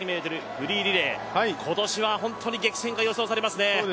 フリーリレー、今年はホントに激戦が予想されますね？